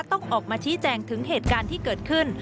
ต้องออกมาชี้แจงถึงเหตุการณ์ที่เกิดขึ้น